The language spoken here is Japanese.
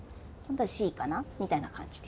Ｃかなみたいな感じで。